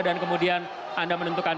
dan kemudian anda menentukan